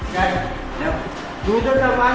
กลับไปกัน